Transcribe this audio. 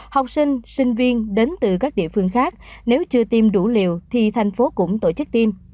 học sinh sinh viên đến từ các địa phương khác nếu chưa tiêm đủ liều thì thành phố cũng tổ chức tiêm